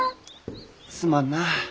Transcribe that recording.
すまんな。